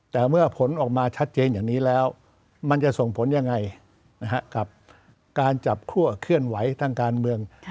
แต่เมื่อผลออกมาชัดเจนอย่างนี้แล้วมันจะส่งผลยังไงกับการจับคั่วเคลื่อนไหวทางการเมือง